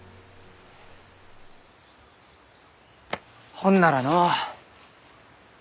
ほんならのう。